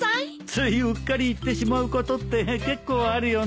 ついうっかり言ってしまうことって結構あるよねえ。